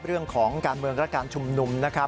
เรื่องของการเมืองและการชุมนุมนะครับ